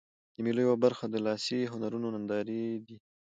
د مېلو یوه برخه د لاسي هنرونو نندارې دي.